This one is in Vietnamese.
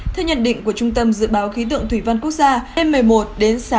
theo nhận định của trung tâm dự báo khí tượng thủy văn quốc gia